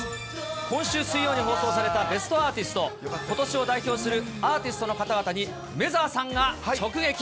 今週水曜に放送されたベストアーティスト、ことしを代表するアーティストの方々に、梅澤さんが直撃。